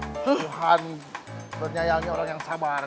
tuhan bernyayangnya orang yang sabar